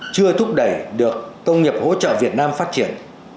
chưa thúc đẩy được công nghiệp hỗ trợ việt nam phát triển